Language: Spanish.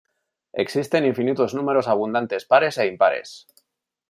Existen infinitos números abundantes pares e impares.